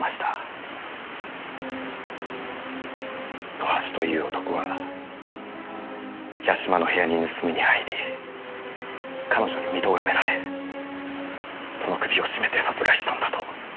野橋という男が屋島の部屋に盗みに入り彼女に見とがめられその首を絞めて殺害したんだと。